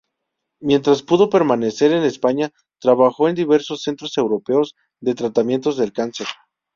Mientras pudo permanecer en España, trabajó con diversos centros europeos de tratamiento del cáncer.